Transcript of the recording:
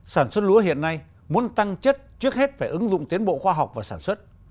sản xuất lúa hiện nay muốn tăng chất trước hết phải ứng dụng tiến bộ khoa học và sản xuất